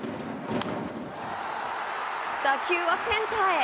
打球はセンターへ。